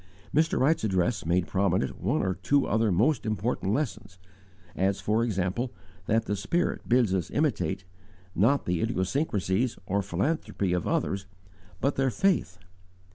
Mr. Wright's address made prominent one or two other most important lessons, as, for example, that the Spirit bids us imitate, not the idiosyncrasies or philanthropy of others, but _their faith.